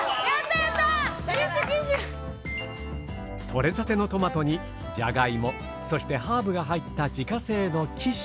取れたてのトマトにじゃがいもそしてハーブが入った自家製のキッシュ。